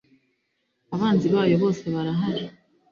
abanzi bayo bose barahari.